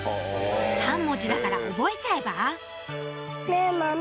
３文字だから覚えちゃえば？